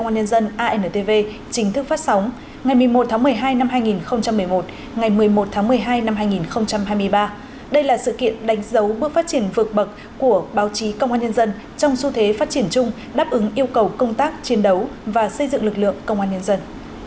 ngày một mươi một tháng một mươi hai năm hai nghìn một mươi một ngày một mươi một tháng một mươi hai năm hai nghìn hai mươi ba đây là sự kiện đánh dấu bước phát triển vượt bậc của báo chí công an nhân dân trong xu thế phát triển chung đáp ứng yêu cầu công tác chiến đấu và xây dựng lực lượng công an nhân dân